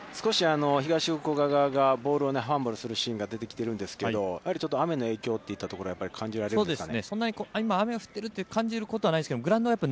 少し東福岡側がボールをファンブルするシーンが出てきているんですけど、雨の影響というところはやっぱり感じられますかね。